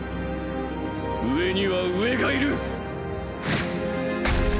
上には上がいる！